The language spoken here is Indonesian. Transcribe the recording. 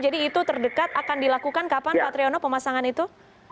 jadi itu terdekat akan dilakukan kapan pak triyono pemasangan itu